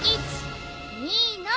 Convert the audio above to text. １２の３！